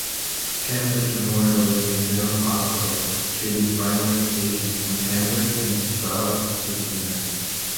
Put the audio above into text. Cambridge Memorial is a general hospital, treating primarily patients from Cambridge and south Kitchener.